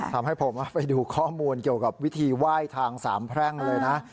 ทำให้ผมไปดูข้อมูลเกี่ยวกับวิธีไหว้ทางสามแพร่งเลยนะ